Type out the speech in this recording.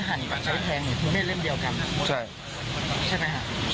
หลังจากขับรถแม็กโฮเสร็จ